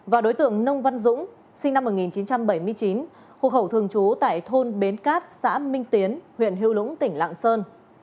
và đối tượng nông văn dũng sinh năm một nghìn chín trăm bảy mươi chín hộ khẩu thường trú tại thôn bến cát xã minh tiến huyện hữu lũng tỉnh lạng sơn